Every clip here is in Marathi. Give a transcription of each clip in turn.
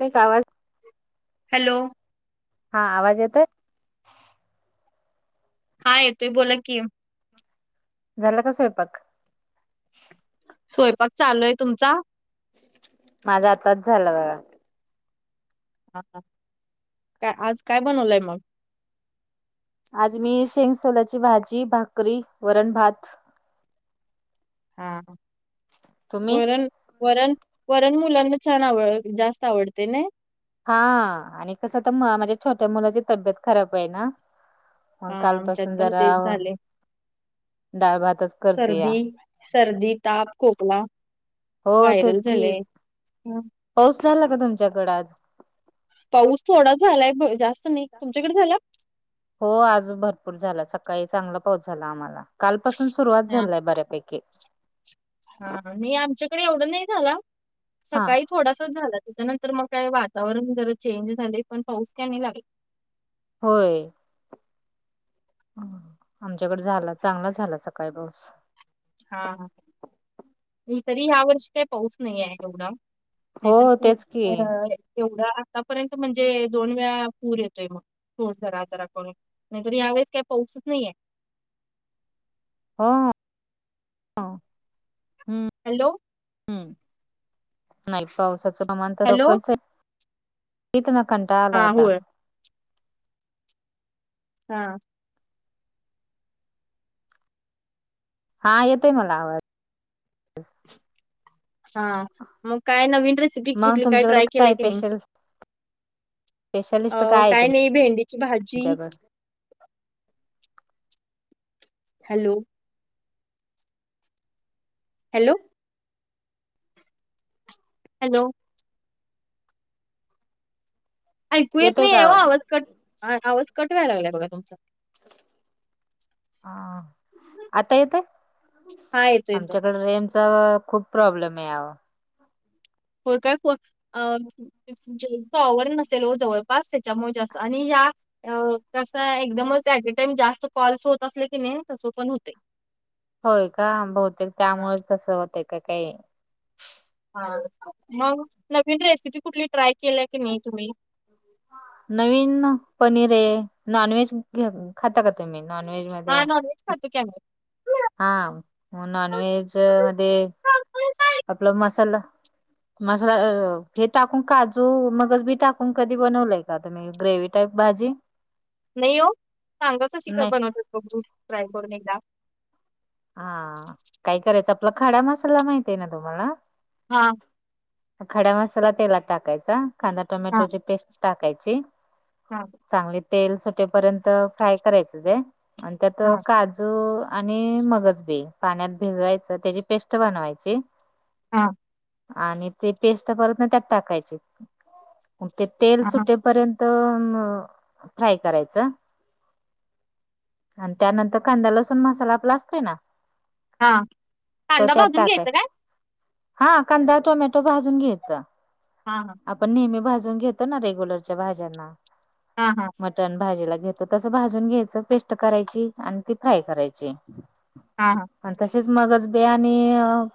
का आवाज हॅलो हा आवाज येतोय हायेतु बोला की झालं कसंय पक स्वयंपाक चालू आहे तुमचा माझा आत्च झाला बघा हा काय आज काय बनवलंय मग आज मी शेंग सोलाची भाजी भाकरी वरण भात हा तुम्ही वर वरण वरण मुलांना छान आवड जास्त आवडते ना हा आणि कसं तर माझ्या छोट्या मुलाची तब्येत खराब आहे ना मग हा आमच्यात कालपासून पण जरा तेच झाले डाळ भातच करते या सर्दी सर्दी ताप खोकला हो व्हायरल झाले ह पाऊसला का तुमच्याकडें आज पाऊस थोडा झालाय जास्त नाही तुमच्याकडे झाला हो आज भरपूर झाला सकाळी चांगला पाऊस झाला आम्हाला कालपासून सुरुवात हा झालाय बऱ्यापैकी हा म आमच्याकडे एवढं नाही झाला हा सकाळी थोडासा झाला त्याच्यानंतर मग काय वातावरण जर चेंज झाले पण पाऊस क नाही लागला होय आमच्याकडे झाला चांगला झाला सकाळी पाऊस हा म तरी ह्या वर्षी काही पाऊस नाही आहे एवढा नाहीतर हो पू तेच की अ तेवढं आतापर्यंत म्हणजे दोन वेळा पूर येतोय मग पोड जरा जरा करून नाहीतर यावेेस काही पाहसच नाहीये हा ह हम्म हॅलो हम्म नाही पावसाचं प्रमाण तर हॅलो रकच आहे तीत म हा कंटाळलाता होय हा हा येतोय मला आवाज हा मग काय नवीन रेसिपी मग कुठली काय तुमच्याकडे ट्राय केलाय की नाही स्पेशल अ स्पेशालिस्ट आहे काय नाही भेंडीची भाजी तुमच्याकडे? हॅलो हॅलो हॅलो ऐकू येत येतोय नाही का येव आवाज कट आवाज कटवायला लागलाय बघा तुमचा ह आता येतय हा येतो येतो. आमच्याकडे रेम खूप प्रॉब्लेम आहे हो काय अ तोवर नसेल जवळपास त्याच्यामुळे जास् आणि या अ तसा एकदमच ऍट अ टाइम जास्त कॉल्स होत असले की नाही तसं पण होते होय का बहुतेक त्यामुळेच तसं होत का काही मग नवीन रेसिपी कुठली ट्राय केल्या की नाही तुम्ही नवीन पनीर आहे नॉनव्हेज घ खाता का तुम्ही नॉनव्हेज मध्ये खात कम हा नॉन व्हेज म आपलं मसाला मसाला हे टाकून काजू मगच बी टाकून कधी बनवलंय का तुम् ग्रेवी टाईप भाजी नाही हो सांगा कस काय नाही बनवतात बघू ट्राय करून एकदा हा काय करायचं आपला खाडा मसाला माहती आहे ना तुम्हाला हा खड्या मसाला तेलात टाकायचा कांदा हा टोमॅटोची पेस्ट टाकायची हा चांगले तेल सुटेपर्यंत फ्राय करायचंच आहे आणि त्यात हा काजू जू आणि मगज बी पाण्यात भिजवायच त्याची पेस्ट बनवायची हा आणि ते पेस्ट परत ना त्यात टाकायची मग ते तेल सुटेपर्यंत तर फ्राय करायचं आणि त्यानंतर कांदा लसून मसाला आपला असतय ना हां त त्यात टाकाय हा कांदा टोमॅटो भाजून घ्यायचा हा हा आपण नेहमी भाजून घेतो ना रेग्युलरच्या भाज्यांना हा हा मटन भाजीला घेत तसं भाजून घ्यायचं पेस्ट करायची आणि ती फ्राय करायची. हा हा आणि तसेच मगच बे आणि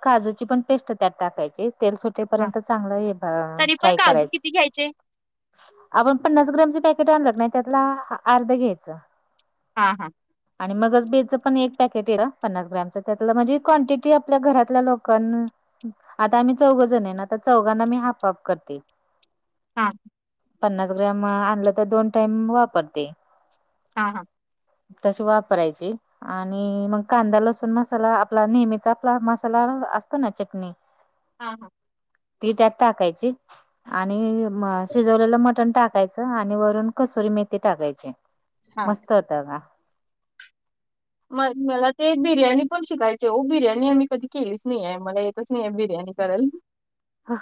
काजूची पण पेस्ट त्यात टाकायची तेलट हा तेपर्यंत चांगलं तरी पण फ्राय काजू करायचं किती घ्यायचे? आपण पन्नास ग्रामचे पॅकेट आणलं नाही त्यातला अर्ध घ्यायचं. हा हा आणि मगच बेचं पण एक पॅकेट आहेल पन्नास ग्रामचं त्यात म्हणजे क्वांटिटी आपल्या घरातल्या लोकां आता आम्ही चौघ जण आहेन आता चौघांना मी हाफआफ करते हा पन्नास ग्रॅम आणलं तर दोन टाइम वापरते. हा हा तशी वापरायची. आणि मग कांदा लसूण मसाला आपला नेहमीचा आपला मसाला असतो ना चटणी हा हा ती त्यात टाकायची आणि शिजवलेलं मटण टाका टाकायच आणि वरून कसुरी मेथी टाकायचे हां. मस्त होत का म मला ते बिर्याणी पण शिकायची हो बिर्याणी आम्ही कधी केलीच नाही आहे मला तस नाही बिरयाणी करल.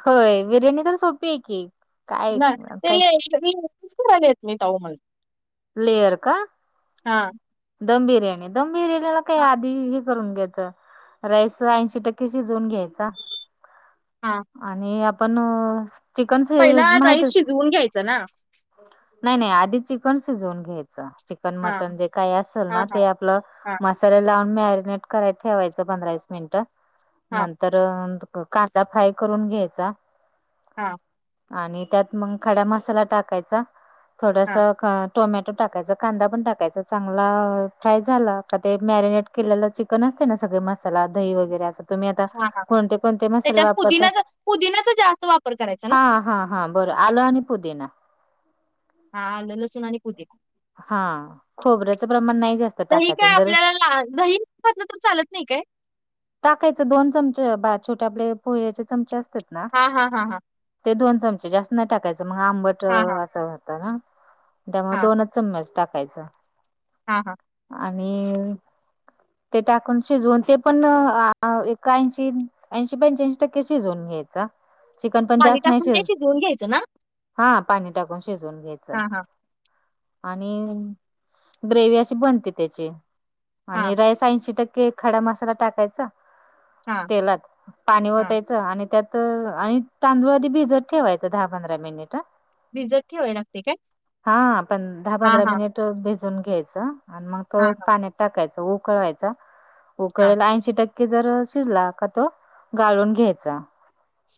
होय. बिर्याणी तर सोपी आहे की एक काय काय आले आहेत मी ताऊ म [inaudible] लेअर का. हा दम बिर्याणी दम बिर्याणीला काही आधी करून घ्यायच राइस ऐंशी टक्के शिजवून घ्यायचा. हा आणि आपण चिकन पहिला माहित राईस शिजवून घ्यायचा ना. नाही नाही आधी चिकन शिजवून घ्यायचं, चिकन, हां. मटन जे काही असेल ना हां, हां. ते आपलं हां. मसाल्याला मॅग्नेट करायला ठेवायचा पंधरा-वीस मिनिट. हां. तर कांदा फ्राय करून घ्यायचा. हा आणि त्यात मग खडा मसाला टाकायचा थोडास हां. टोमॅटो टाकायचा, कांदा पण टाकायचा, चांगला फ्राय झाला का ते मॅरिनेट केलेलं चिकन असते ना सगळे मसाला दही वगैरे असं तुम्ही आता हां, हां. कोणते कोणते मसाले त्याच्यात वापरता? पुदिनाचा पुदिनाचा जास्त वापर करायचा ना? हा हा हा बरं. आलं आणि पुदिना हा आलं लसूण आणि पुदिना हा खोबऱ्याचं प्रमाण नाही जास्त दही काय टाकायचं जर आपल्याला ला दही घातलं तर चालत नाही काय? [inaudible] टाकायचं दोन चमचे, बा छोटे आपले पोहेचे चमचे असतात. ना हा हा हा हां ते दोन चमचे जास्त नाही टाकायचं मग आंबट हां, हां. असं होतं ना त्यामुळे हां. दोन चम्मच टाकायचा. हा हा आणि ते टाकून शिजवून ते पण एक ऐंशी ऐंशी पंच्याऐंशी टक्के शिजून घ्यायचा, चिकन पण पाणी जास्त नाही टाकून ते शिज शिजवून घ्यायचं ना? हा पाणी टाकून शिजवून घ्यायच. हा हा आणि ग्रेवी अशी बनते त्याची हां. आणि राईस ऐंशी टक्के खडा मसाला टाकायचा हां. तेलात, पाणी हां, वतायचं आणि त्यात आणि तांदूळ आधी भिजत ठेवायचं दहा पंधरा मिनिट भिजत ठेवाय लागते काय हा पण दहा हां, पंधरा हां, मिनिट भिजून घ्यायचं आणि मग तो हां, हां, पाण्यात टाकायच उकवायचा हां, उकला ऐशी टक्क जर शिजला का तो गाळून घ्यायचा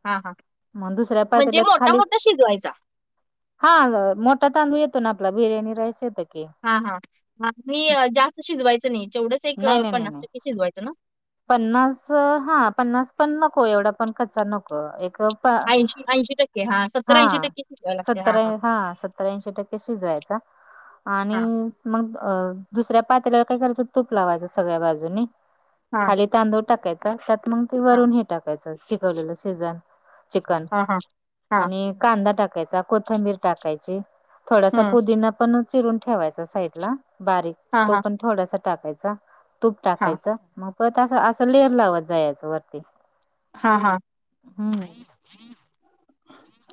हां, हां. मग दुसऱ्या म्हणजे पातिल्यात खाली मोठा-मोठा शिजवायचा. हा मोठा तांदूळ येतो ना आपला बिर्याणी राईस येतो की हा हा म जास्त शिजवायचं नाही जेवढंच एक नाही नाही नाही पन्नास नाही टक्के शिजवायचं ना पन्नास हा पन्नास पण नको एवढा पण कच नको एक हां, हा शिजवायला लागते. हां, सत्तरा हां, हा सत्तर्याऐंशी टक्के शिजवायचा आणि मग अ दुसऱ्या पात्याला काय करायचं तूप लावायचं सगळ्या बाजूनी हां, खाली तांदूळ टाकायचा त्यात मग ते हां, वरून हे टाकायच चिकवलेलं सिजन चिकन हां, हां, हां, हां, आणि कांदा टाकायचा कोथंबीर टाकायची थोडासा हं. पुदीना पण चिरून ठेवायचा साईड ला बारीक हां, तो हां, पण थोडासा टाकायच तूप हां, टाकायचं मग पत असं असं लेअर लावत जायचं वरती हा हा हम्म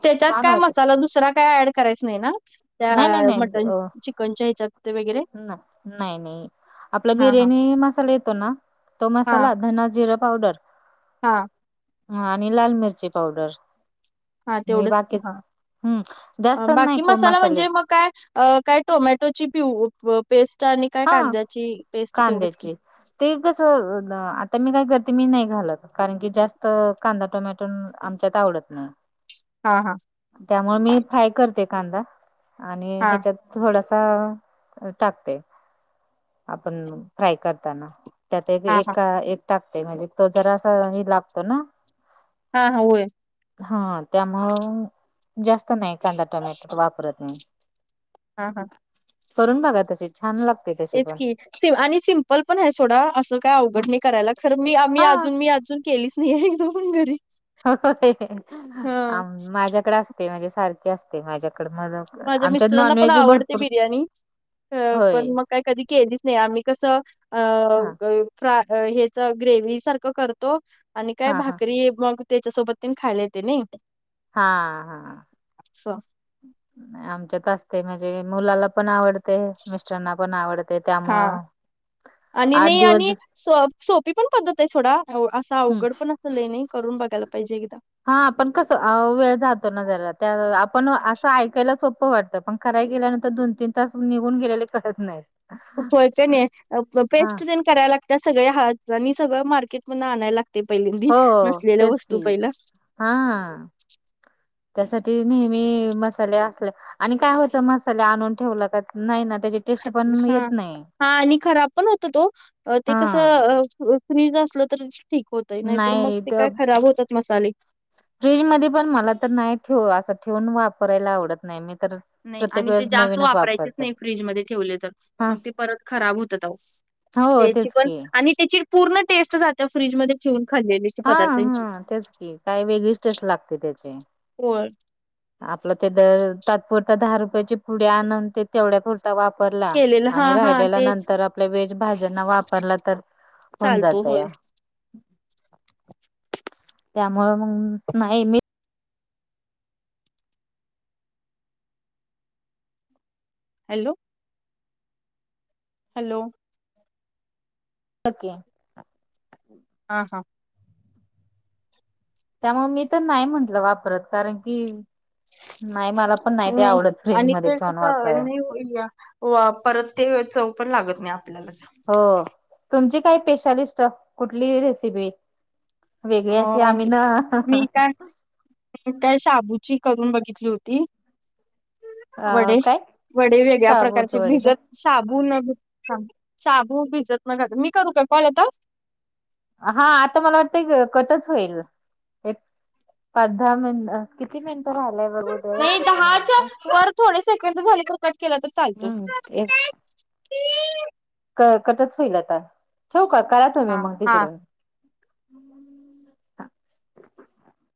त्याच्यात छान काय होते मसाला दुसरा काय ऍड करायच नाही ना त्या नाही नाही मटन नाही चिकनच्या हिच्याात ते वगैरे ना नाही नाही आपला हां, हां, बिर्याणी मसाला येतो ना तो मसाला धना जिरा पावडर हा ह आणि लाल मिरची पावडर हा आणि तेवढंच की बाकीच हम्म हा जास्त नाही बाकी को मसाला मसाले म्हणजे मग काय अ काय टोमॅटोची पिऊ पेस्ट आणि काय हा कांद्याची पेस्ट तेवढच की कांद्याचे ते कसं आता मी काय करते मी नाही घालत कारण की जास्त कांदा टोमॅटो आमच्यात आवडत ह हा हा त्यामुळे मी फ्राय करते कांदा आणि हा ह्याच्यात थोडासा टाकते आपण फ्राय करताना त्यात एक हा हा एक टाकते म्हणजे तो जरा अस ह लागतो ना हा हा हा त्यामुळ जास्त नाही कांदा टोमॅटो वापरत नाही हा हा करून बघा त्या छान लागते का एच की आणि सिम्पल पण आहे थोडा असं काही अवघड नाही करायला खरं मी आ मी हा अजून मी अजून केलीच नाही एक दो पण घरी हा. हो माझ्याकडे असते म्हणजे सारखे असते माझ्याकड मद माझ्या मिस्टरांना पण आवडते बिर्याणी होय पण मग काही कधी केलीच नाही आम्ही कसं हा अ फ्राय हच ग्रेव सारखं करतो आणि काय हा हा भाकरी मग त्याच्यासोबत त खायलाेत नाही हा हा असं. आमच्यात असते म्हणजे मुलाला पण आवडत ते मिस्टरांना पण आवडते हा त्यामुळं आणि आठ नाही दिवस आणि सोपी पण पद्धत आहे थोडा असा हम्म अवघड पण अस ल नाही करून बघायला पाहिजे एकदा हा आपण कसं वेळ जातो ना जरा त्या आपण असं ऐकायला सोपं वाटतं पण कराय गेल्यानंतर दोन तीन तास निघून गेलेले कळत नाही होयत नाही पेस्ट देन करायला लागत सगळे्या हात आणि सगळं मार्केट मध आणायला लागत ते पहिलेंदी हो नसलेल्या तेच वस्तू की पहिला हा त्यासाठी नेहमी मसाले असले आणि काय होत मसाल्या आणून ठेवलं का नाही ना त्याच्या हा हा आणि खराब पण होत तो ते हा कसं? फ्रीज असलं तर ठीक होतय नाहीतर मग नाही ते काय खराब होतात मसाले फ्रीजमध्येध्ये पण मला तर नाही ठेव असं ठेवून वापरायला आवडत नाही मी तर नाही प्रत्येक आणि ते वेळेस जास्त नवीनच वापरायचेच वापरते नाही फ्रीजमध्येध्ये ठेवले तर हा मग ते परत खराब होत. हो त्याची तेच पण की आणि त्याची पूर्ण टेस्ट जाते फ्रीजमध्ये ठेवून खाल्लेली. हा पदार्थांची हा तेच की काय वेगळीच टेस्ट लागते त्याची होर. आपलं ते द तात्पुरत दहा रुपयाची पुढे आण ते तेवढ्या कर. वापरला केलेलं हा आणि हा राहिलेल्या तेच नंतर आपल्या वेज भाज्यांना वापरला तर. चालतो होय. त्यामु मग नाही मी. हॅलो. हॅलो. ओके. हा हा. त्यामुळे मी तर नाही म्हंटलं वापरत कारण की नाही मला पण ते नाही आवडत फ्रीज आणि मध्ये ते कस ठेवून वापराय नाही. व परत ते चव पण लागत नाही आपल्याला. हो तुमची काय स्पेशालिस्ट कुठली रेसिपी. वेगळी अशी अ आम्ही ना. त्या शाबूची करून बघितली होती. वडे अ काय वडे वेगळ्या शाबूचे प्रकारचे वडे का भिजत. शबू न भ शबू भिजत न घाल मी करू का कॉल आता. हा आता मला वाटतंय कटच होईल एक पर्धा मिन. किती मिनिटंहिय. नाही दहाच्या वर थोडे सेकंड झाले तर कट केला तर चालतो. हम्म. क कटच होईल आता ठेव का करा तु म्ही हा मग हा तिकडून.